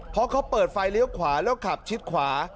เพราะเขาเปิดไฟเลี้ยวขวาแล้วขับชิดขวา